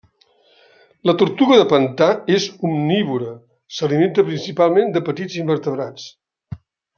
La tortuga de pantà és omnívora, s'alimenta principalment de petits invertebrats.